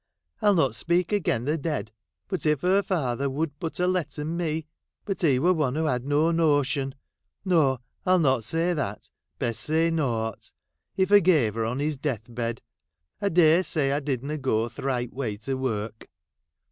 I'll not speak again the dead ; but if her father would but ha' letteu me, — but he were one who had no notion — no, I '11 not say that ; best say nought. He forgave her on his death bed. I dare say I did na go th' right way to work.'